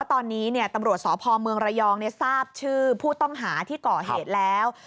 ตอนนี้ตำรวจสพเมืองระยองทราบชื่อผู้ต้องหาที่ก่อเหตุแล้ว